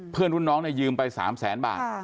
เพื่อนรุ่นน้องยืมไป๓แสนบาท